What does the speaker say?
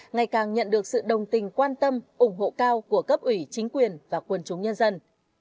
ngày càng nhận được sự đồng tình quan tâm ủng hộ cao của cấp ủy chính quyền và quân chúng nhân dân